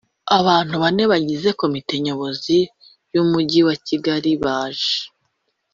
abantu bane bagize Komite Nyobozi y Umujyi wa Kigali baje